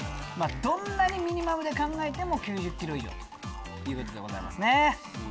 どんなにミニマムで考えても９０ｋｇ以上ということですね。